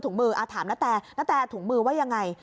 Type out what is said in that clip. ถุงมือถามณแตณแตถุงมือว่ายังไง